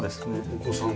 お子さん。